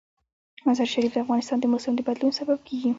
مزارشریف د افغانستان د موسم د بدلون سبب کېږي.